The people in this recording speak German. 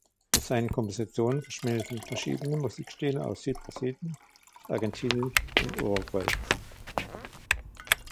In seinen Kompositionen verschmelzen verschiedene Musikstile aus Südbrasilien, Argentinien und Uruguay.